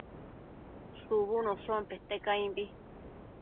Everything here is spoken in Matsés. shubunoshon pete caimbi